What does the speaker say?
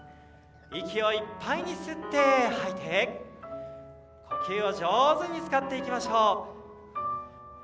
息をいっぱいに吸って吐いて呼吸を上手に使っていきましょう。